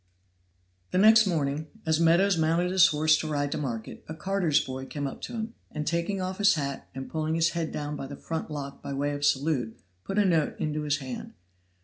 The next morning, as Meadows mounted his horse to ride to market, a carter's boy came up to him, and taking off his hat and pulling his head down by the front lock by way of salute, put a note into his hand.